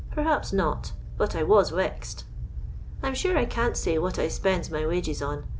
Perhaps not; but I was wexed. " I 'm sure I can't say what I spends my wages in.